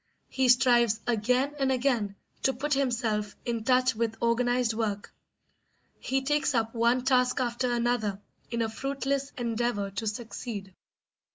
He strives again and again to put himself in touch with organised work; he takes up one task after another in a fruitless endeavour to succeed.